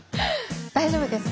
大丈夫です。